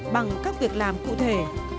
bằng các việc làm cụ thể